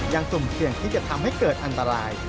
ยังสมเครื่องที่จะทำให้เกิดอันตราย